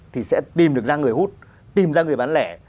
thì sẽ tìm được ra người hút tìm ra người bán lẻ